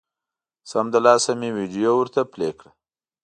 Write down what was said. سمدلاسه مې ویډیو ورته پلې کړه